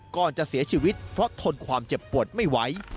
ก่อนจะเสียชีวิตเพราะทนความเจ็บปวดไม่ไหว